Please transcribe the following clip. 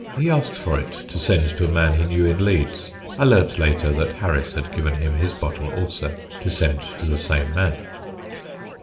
He asked for it to send to a man he knew in Leeds. I learnt later that Harris had given him his bottle also, to send to the same man.